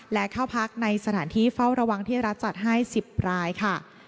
และเข้าพักในสถานที่เฝ้าระวังที่รัฐจัดให้๑๐รายค่ะ